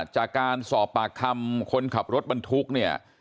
จากการสอบปากคำคนขับรถบรรทุกเนี่ย